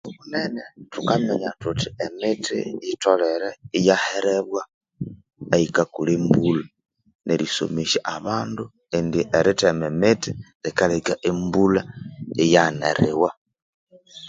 Obuthuku obunene thukaminya thuthi emithi yitholere iyaherebwa eyikakura embulha, nerisomesya abandu indi erithema emithi likaleka embulha iyaghana eriwa.